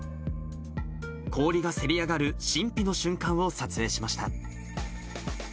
氷がせり上がる神秘の瞬間を撮影しました。